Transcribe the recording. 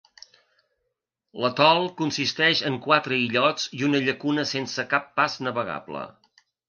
L'atol consisteix en quatre illots i una llacuna sense cap pas navegable.